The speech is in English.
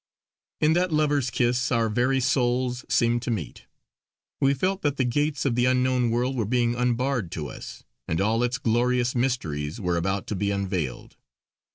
In that lover's kiss our very souls seemed to meet. We felt that the Gates of the Unknown World were being unbarred to us, and all its glorious mysteries were about to be unveiled.